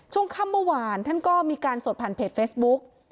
ช่วงค่ำเมื่อวานท่านก็มีการสดผ่านเพจเฟซบุ๊ก